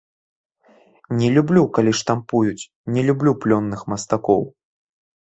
Не люблю, калі штампуюць, не люблю плённых мастакоў.